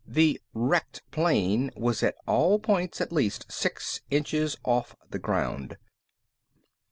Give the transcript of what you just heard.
_The "wrecked" plane was at all points at least six inches off the ground.